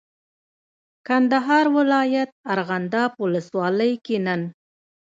کندهار ولایت ارغنداب ولسوالۍ کې نن